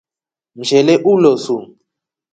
Mshele ulosu.